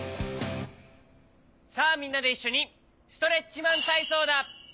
さあみんなでいっしょにストレッチマンたいそうだ！